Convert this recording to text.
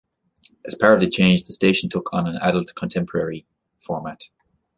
As part of the change, the station took on an adult contemporary format.